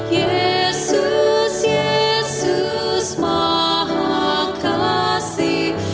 yesus yesus maha kasih